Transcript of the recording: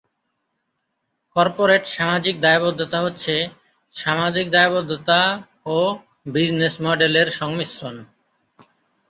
Corporate সামাজিক দায়বদ্ধতা হচ্ছে সামাজিক দায়বদ্ধতা ও বিজনেস মডেলের সংমিশ্রণ।